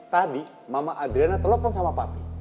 tadi mama adrian telpong sama papi